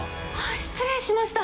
失礼しました。